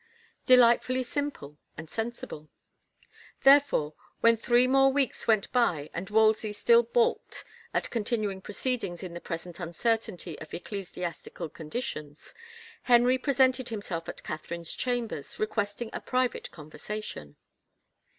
Delightfully simple and sensible t Therefore, when three more weeks went by and Wol sey still balked at continuing proceedings in the present uncertainty of ecclesiastical conditions, Henry presented himself at Catherine's chambers requesting a private conversation.